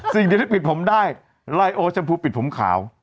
สิ่งที่ได้พิทธิภาพได้ไลโอชมพูพลิดผมข่าว